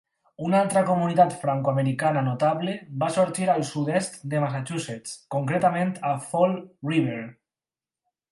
Una altra comunitat francoamericana notable va sorgir al sud-est de Massachusetts, concretament a Fall River.